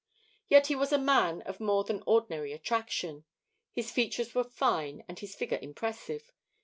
Yet he was a man of more than ordinary attraction. His features were fine and his figure impressive.